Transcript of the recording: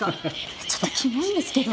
えっちょっとキモいんですけど。